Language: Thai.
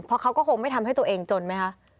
เพราะเขาก็คงไม่ทำให้ตัวเองจนไหมคะ